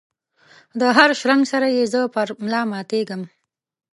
دهر شرنګ سره یې زه پر ملا ماتیږم